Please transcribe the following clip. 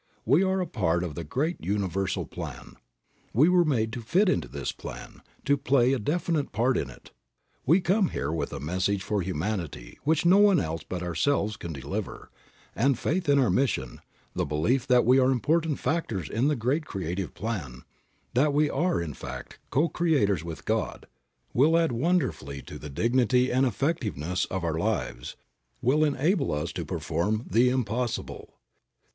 We are a part of the great universal plan. We were made to fit into this plan, to play a definite part in it. We come here with a message for humanity which no one else but ourselves can deliver, and faith in our mission, the belief that we are important factors in the great creative plan, that we are, in fact, co creators with God, will add wonderfully to the dignity and effectiveness of our lives, will enable us to perform the "impossible."